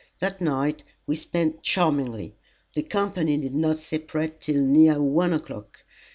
That night we spent charmingly. The company did not separate till near one o'clock.